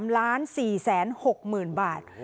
๓๔ล้านบาท